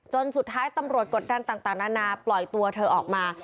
สุดท้ายตำรวจกดดันต่างนานาปล่อยตัวเธอออกมา